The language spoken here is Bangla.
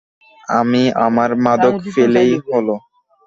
আমি আমার মাদক পেলেই হলো।